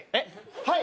はい。